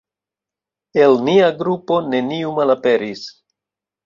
El nia grupo neniu malaperis!